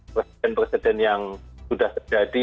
presiden presiden yang sudah terjadi